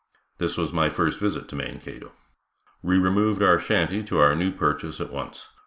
This was my first visit to Mankato. We removed our shanty to our new purchase at once.